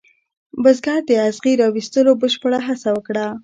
بزګر د اغزي را ویستلو بشپړه هڅه وکړه.